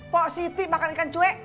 pak siti makan ikan cuek